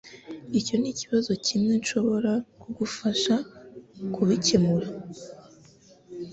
Icyo nikibazo kimwe nshobora kugufasha kubikemura